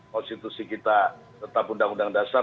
konstitusi kita tetap undang undang dasar